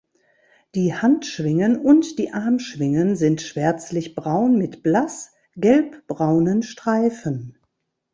Die Handschwingen und die Armschwingen sind schwärzlich braun mit blass gelbbraunen Streifen.